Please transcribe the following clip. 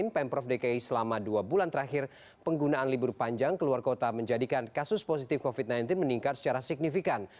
pemprov dki selama dua bulan terakhir penggunaan libur panjang keluar kota menjadikan kasus positif covid sembilan belas meningkat secara signifikan